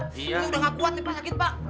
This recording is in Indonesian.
ini udah gak kuat nih pak sakit pak